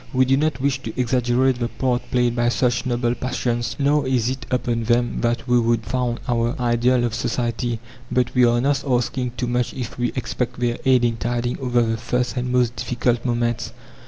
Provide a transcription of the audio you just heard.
We do not wish to exaggerate the part played by such noble passions, nor is it upon them that we would found our ideal of society. But we are not asking too much if we expect their aid in tiding over the first and most difficult moments.